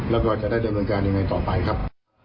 แล้วก็จะได้ดำเนินการยังไงต่อไปครับ